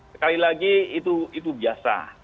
sekali lagi itu biasa